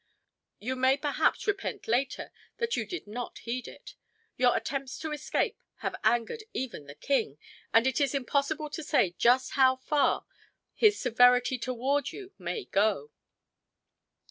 "You may perhaps repent later that you did not heed it. Your attempts to escape have angered even the king, and it is impossible to say just how far his severity toward you may go."